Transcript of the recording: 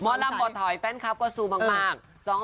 หมอลำบ่อถอยแฟนคลับก็สู้มาก๒๕๒งาน